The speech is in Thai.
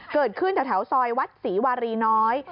เกิดขึ้นแถวซอยวัดศรีวารีน้อย